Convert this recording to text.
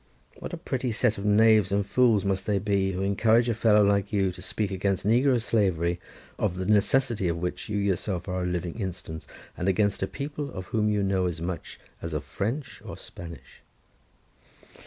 What a pretty set of knaves or fools must they be, who encourage a fellow like you to speak against negro slavery, of the necessity for which you yourself are a living instance, and against a people of whom you know as much as of French or Spanish."